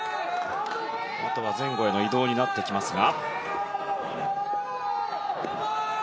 あとは前後への移動になってきますが。